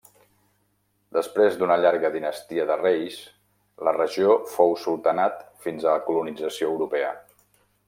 Després d'una llarga dinastia de reis, la regió fou Sultanat fins a la colonització europea.